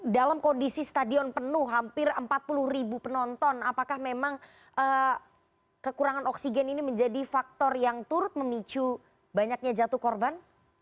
dalam kondisi stadion penuh hampir empat puluh ribu penonton apakah memang kekurangan oksigen ini menjadi faktor yang turut memicu banyaknya jatuh korban